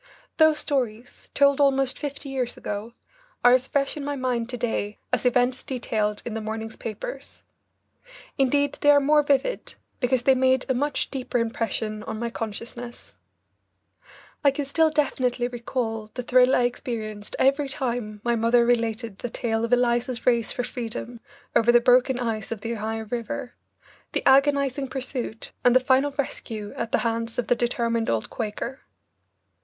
Those stories, told almost fifty years ago, are as fresh in my mind to day as events detailed in the morning's papers. Indeed they are more vivid, because they made a much deeper impression on my consciousness. I can still definitely recall the thrill I experienced every time my mother related the tale of Eliza's race for freedom over the broken ice of the Ohio River, the agonizing pursuit, and the final rescue at the hands of the determined old Quaker.